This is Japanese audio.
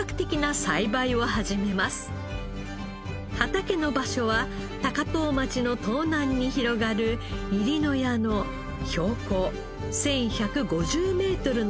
畑の場所は高遠町の東南に広がる入野谷の標高１１５０メートルの山あい。